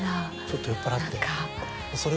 ちょっと酔っぱらって。